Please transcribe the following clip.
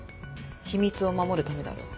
秘密を守るためだろう。